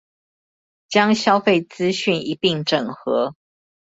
將消費資訊一併整合